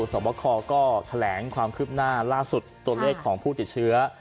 สอบคอก็แถลงความคืบหน้าล่าสุดตัวเลขของผู้ติดเชื้อ